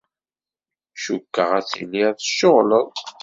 Cukkeɣ ad tiliḍ tceɣleḍ.